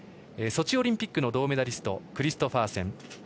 ソチオリンピックの銅メダリストクリストファーセン。